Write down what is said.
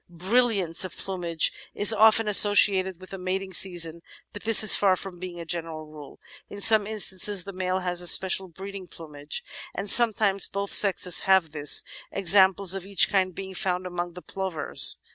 Brilliance of plumage is often associated with the mating season, but this is far from being a general rule. In some instances the male has a special breeding plumage, and sometimes both sexes have this, examples of each kind being found among the Plovers.